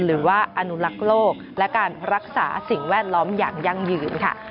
หรือว่าอนุรักษ์โลกและการรักษาสิ่งแวดล้อมอย่างยั่งยืนค่ะ